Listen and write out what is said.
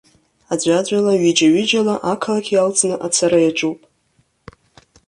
Аӡәаӡәала, ҩыџьа-ҩыџьала ақалақь иалҵны ацара иаҿуп.